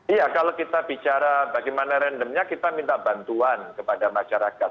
iya kalau kita bicara bagaimana randomnya kita minta bantuan kepada masyarakat